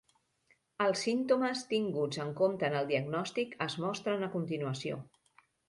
Els símptomes tinguts en compte en el diagnòstic es mostren a continuació.